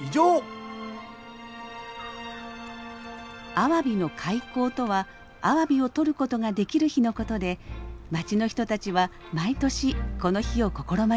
アワビの開口とはアワビをとることができる日のことで町の人たちは毎年この日を心待ちにしています。